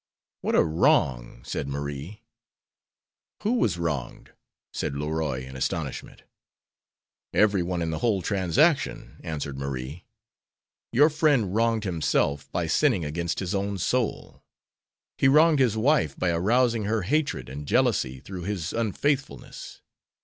"What a wrong!" said Marie. "Who was wronged?" said Leroy, in astonishment. "Every one in the whole transaction," answered Marie. "Your friend wronged himself by sinning against his own soul. He wronged his wife by arousing her hatred and jealousy through his unfaithfulness.